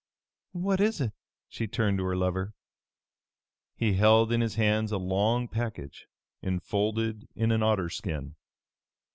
"What is it?" She turned to her lover. He held in his hands a long package, enfolded in an otter skin.